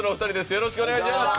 よろしくお願いします。